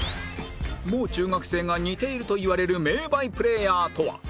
もう中学生が似ていると言われる名バイプレイヤーとは？